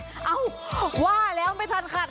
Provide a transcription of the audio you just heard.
เอ้าว่าแล้วไม่ทันขัด